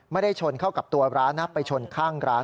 ชนเข้ากับตัวร้านนะไปชนข้างร้าน